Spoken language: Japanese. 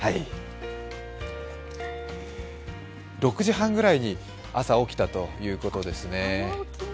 ６時半ぐらいに朝起きたということですね。